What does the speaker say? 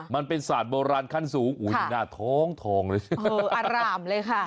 มันเป็นศาสตร์โบราณขั้นสูงอุ้ยหน้าท้องทองเลยสิอารามเลยค่ะ